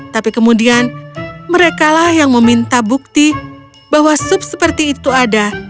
tapi kemudian merekalah yang meminta bukti bahwa sub seperti itu ada